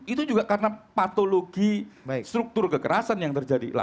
itu juga karena patologi struktur kekerasan yang terjadi